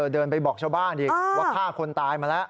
เดินไปบอกชาวบ้านอีกว่าฆ่าคนตายมาแล้ว